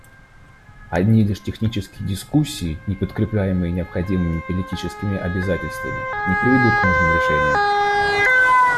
Одни лишь технические дискуссии, не подкрепляемые необходимыми политическими обязательствами, не приведут к нужным решениям.